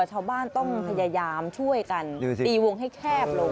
ชาวบ้านต้องพยายามช่วยกันตีวงให้แคบลง